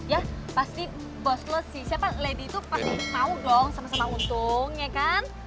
ya pasti bos sih siapa lady itu pasti mau dong sama sama untung ya kan